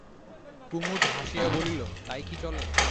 কুমুদ হাসিয়া বলিল, তাই কি চলে?